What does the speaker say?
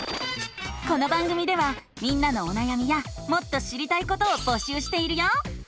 この番組ではみんなのおなやみやもっと知りたいことをぼしゅうしているよ！